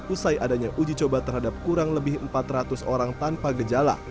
usai adanya uji coba terhadap kurang lebih empat ratus orang tanpa gejala